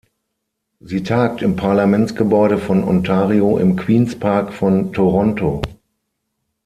Sie tagt im Parlamentsgebäude von Ontario im Queen’s Park von Toronto.